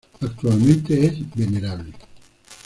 Actualmente es venerable.